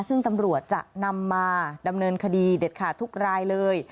ซึ่งตำรวจจะนำมาดำเนินคดีเด็ดขาดทุกรายเลย